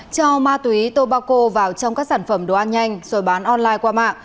cho ma túy tobacco vào trong các sản phẩm đồ ăn nhanh rồi bán online qua mạng